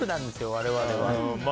我々は。